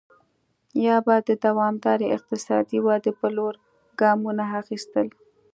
یا به د دوامدارې اقتصادي ودې په لور ګامونه اخیستل.